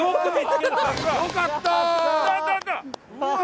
よかったー！